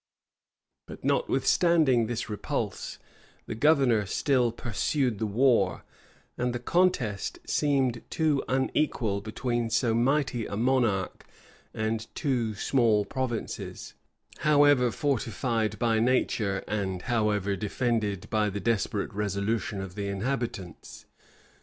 But notwithstanding this repulse, the governor still pursued the war; and the contest seemed too unequal between so mighty a monarchy and two small provinces, however fortified by nature, and however defended by the desperate resolution of the inhabitants.